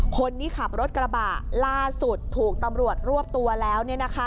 คนที่ขับรถกระบะล่าสุดถูกตำรวจรวบตัวแล้ว